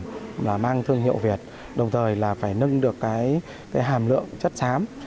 đồng thời là mang thương hiệu việt đồng thời là phải nâng được cái hàm lượng chất xám